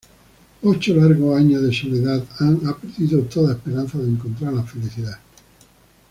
Ocho largos años de soledad, Anne ha perdido toda esperanza de encontrar la felicidad.